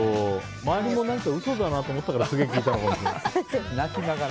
周りも嘘だなと思ったからすごい聞いたのかもしれない。